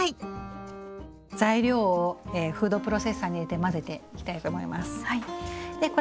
材料をフードプロセッサーに入れて混ぜていきたいと思います。